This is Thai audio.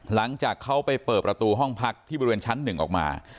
หลังจากเขาไปเปิดประตูห้องพักที่บริเวณชั้น๑ออกมา